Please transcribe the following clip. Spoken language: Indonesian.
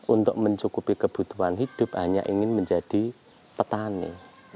untuk mencukupi kebutuhan hidup hanya ingin menjadi petani